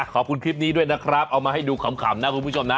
ขอบคุณคลิปนี้ด้วยนะครับเอามาให้ดูขำนะคุณผู้ชมนะ